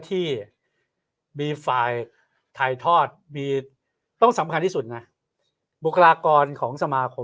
ที่มีฝ่ายถ่ายทอดมีต้องสำคัญที่สุดนะบุคลากรของสมาคม